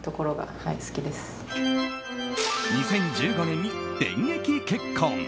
２０１５年に電撃結婚。